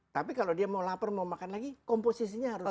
tapi kalau dia mau lapar mau makan lagi komposisinya harus